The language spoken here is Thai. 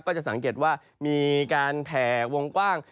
ก็จะสังเกตว่ามีการแผ่วงกว้าง